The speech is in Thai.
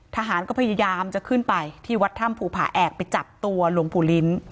ทหารก็พยายามจะขึ้นไปที่วัดถ้ำภูผาแอกไปจับตัวหลวงปู่ลิ้น